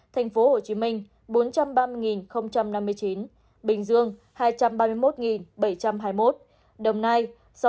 thành phố hồ chí minh bốn trăm ba mươi năm mươi chín bình dương hai trăm ba mươi một bảy trăm hai mươi một đồng nai sáu mươi bốn bốn trăm một mươi hai